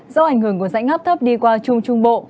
do ảnh hưởng của dãy ngắp thấp đi qua trung trung bộ